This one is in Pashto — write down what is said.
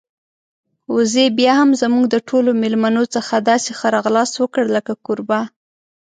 وزې بيا هم زموږ د ټولو میلمنو څخه داسې ښه راغلاست وکړ لکه کوربه.